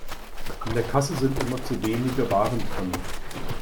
An der Kasse sind immer zu wenige Warentrenner.